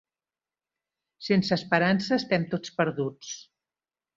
Sense esperança, estem tots perduts.